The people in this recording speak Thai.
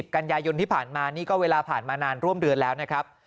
กันยายนที่ผ่านมานี่ก็เวลาผ่านมานานร่วมเดือนแล้วนะครับ